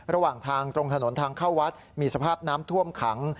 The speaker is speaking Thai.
ระหว่างทางตรงถนนทางเข้าวัดมีสภาพน้ำท่วมขัง